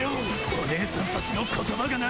おねえさんたちの言葉がな。